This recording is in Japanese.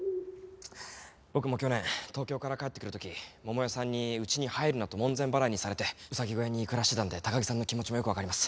僕も去年東京から帰ってくる時桃代さんに「うちに入るな」と門前払いにされてうさぎ小屋に暮らしてたので高木さんの気持ちもよくわかります。